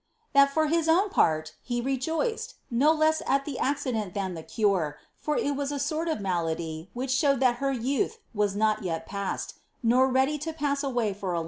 ^Ttiai for his own part, he rejoiced, no leas at the accident than the core, for il wa ^ a sort of malady which ' r"l i><8t her yntitli was not yet pa9se<), nor ready to pass away for le.